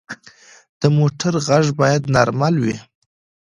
د موټر غږ باید نارمل وي.